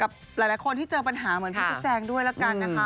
กับหลายคนที่เจอปัญหาเหมือนพี่ชุดแจงด้วยแล้วกันนะคะ